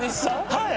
はい。